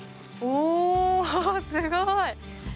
おすごい！